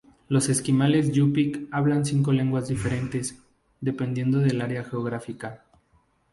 Los esquimales yupik hablan cinco lenguas diferentes, dependiendo del área geográfica.